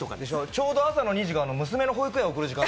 ちょうど朝の２時が娘の保育園送る時間。